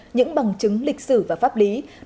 những bằng chứng lịch sử và pháp lý của hà huy tập